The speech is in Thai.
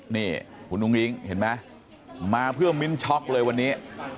นี่คุณอุ้งอิ๊งเห็นไหมมาเพื่อมิ้นช็อกเลยวันนี้